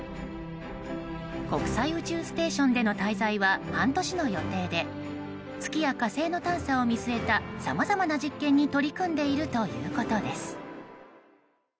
国際宇宙ステーションでの滞在は半年の予定で月や火星の探査を見据えたさまざまな実験に取り組んでいるということです。